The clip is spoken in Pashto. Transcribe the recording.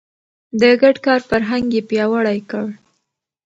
د ګډ کار فرهنګ يې پياوړی کړ.